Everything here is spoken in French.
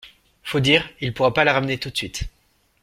Faut dire, il pourra pas la ramener tout de suite.